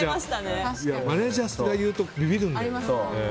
マネジャーが言うとビビるんだよね。